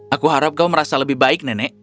aku harap kau merasa lebih baik nenek